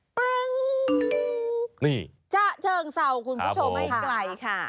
ปึ๊งจะเจิงสาวคุณผู้ชมให้ไกลค่ะ